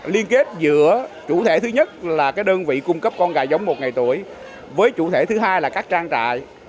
liên kết giữa chủ thể thứ nhất là đơn vị cung cấp con gà giống một ngày tuổi với chủ thể thứ hai là các trang trại